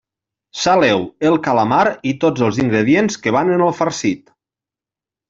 Saleu el calamar i tots els ingredients que van en el farcit.